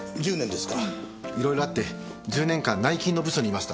いろいろあって１０年間内勤の部署にいました。